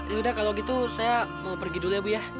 yaudah kalau gitu saya mau pergi dulu ya bu ya